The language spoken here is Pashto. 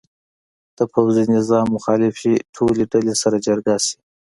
د پوځي نظام مخالفې ټولې ډلې سره جرګه شي.